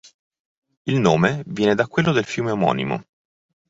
Il nome viene da quello del fiume omonimo.